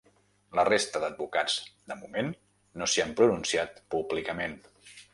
La resta d’advocats, de moment, no s’hi han pronunciat públicament.